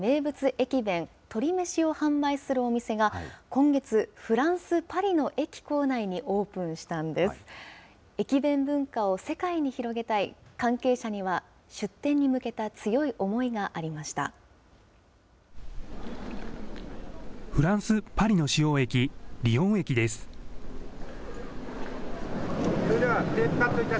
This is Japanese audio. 駅弁文化を世界に広げたい、関係者には出店に向けた強い思いがありました。